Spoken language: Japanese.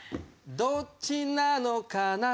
「どっちなのかな」